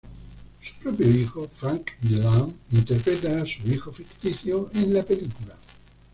Su propio hijo, Frank Dillane, interpreta a su hijo ficticio en la película.